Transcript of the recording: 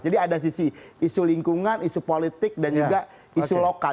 jadi ada sisi isu lingkungan isu politik dan juga isu lokal